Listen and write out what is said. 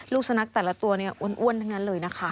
สุนัขแต่ละตัวเนี่ยอ้วนทั้งนั้นเลยนะคะ